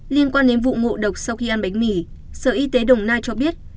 liên quan đến vụ ngộ độc sau khi ăn bánh mì sở y tế đồng nai cho biết